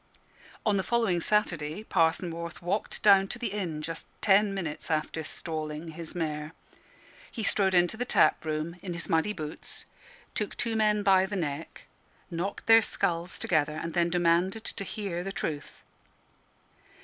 On the following Saturday Parson Morth walked down to the inn, just ten minutes after stalling his mare. He strode into the tap room in his muddy boots, took two men by the neck, knocked their skulls together, and then demanded to hear the truth.